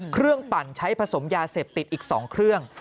ปั่นใช้ผสมยาเสพติดอีก๒เครื่อง